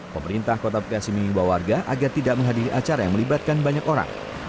pemerintah kota bekasi mengimbau warga agar tidak menghadiri acara yang melibatkan banyak orang